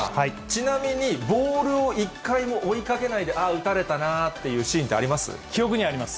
ちなみにボールを一回も追いかけないで、あっ打たれたなって記憶にはあります。